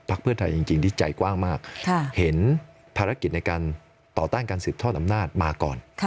เพื่อไทยจริงที่ใจกว้างมากเห็นภารกิจในการต่อต้านการสืบทอดอำนาจมาก่อน